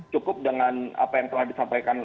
cukup dengan apa yang telah disampaikan